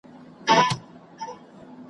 یو په یو یې خپل عیبونه پلټلای ,